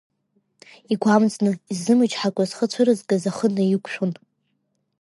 Игәамҵны, иззымычҳакәа зхы цәырызгаз ахы наиқәшәон…